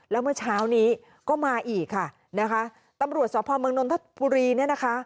แล้วเมื่อเช้านี้ก็มาอีกค่ะนะคะตำรวจสพเมืองนนทบุรีเนี่ยนะคะ